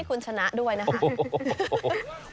ยืมมาให้คุณชนะด้วยนะครับ